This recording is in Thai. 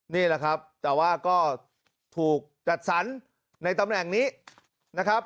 นี่แหละครับแต่ว่าก็ถูกจัดสรรในตำแหน่งนี้นะครับ